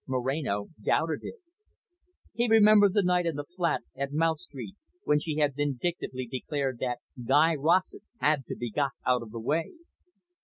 Moreno doubted it. He remembered the night in the flat at Mount Street, when she had vindictively declared that Guy Rossett had to be got out of the way.